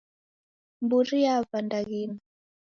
Mburi yava ndaghina